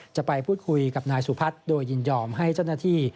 จะไปพูดคุยกับนายสุพัฒน์โดยยินยอมให้เจ้าหน้าที่